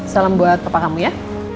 salam buat bapak kamu ya